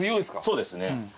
そうですね。